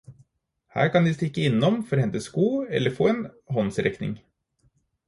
Her kan de stikke innom for å hente sko eller få en håndsrekning.